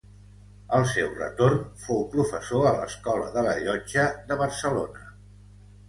Al seu retorn fou professor a l'Escola de la Llotja de Barcelona.